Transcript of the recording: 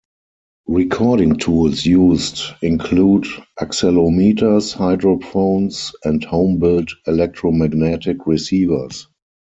Recording tools used include accelometers, hydrophones and home-built electromagnetic receivers.